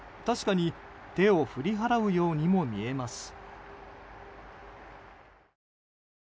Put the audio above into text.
確かに手を振り払うようにも見えます。